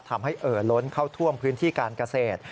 เอ่อล้นเข้าท่วมพื้นที่การเกษตร